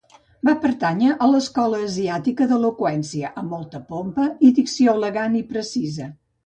Va pertànyer a l'escola asiàtica d'eloqüència, amb molta pompa i dicció elegant i precisa.